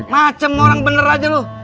macem orang bener aja loh